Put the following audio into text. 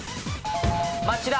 町田。